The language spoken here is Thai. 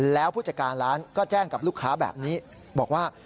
แล้วผู้จัดการร้านก็แจ้งกับลูกค้าแบบนี้บอกว่า